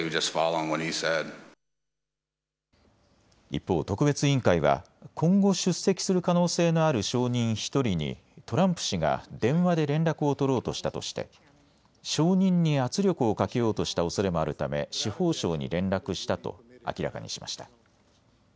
一方、特別委員会は今後、出席する可能性のある証人１人にトランプ氏が電話で連絡を取ろうとしたとして証人に圧力をかけようとしたおそれもあるため司法省に連絡したと明らかにしました。